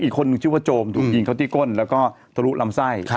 อีกคนนึงชื่อว่าโจมถูกยิงเขาที่ก้นแล้วก็ทะลุลำไส้